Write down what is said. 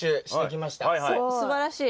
すばらしい。